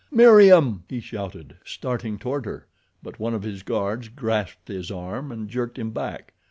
"Meriem!" he shouted, starting toward her; but one of his guards grasped his arm and jerked him back.